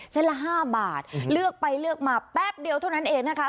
ละ๕บาทเลือกไปเลือกมาแป๊บเดียวเท่านั้นเองนะคะ